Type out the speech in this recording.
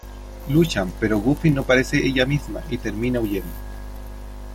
Luchan pero Buffy no parece ella misma y termina huyendo.